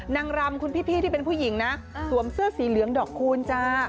นางรำคุณพี่ที่เป็นผู้หญิงนะสวมเสื้อสีเหลืองดอกคูณจ้า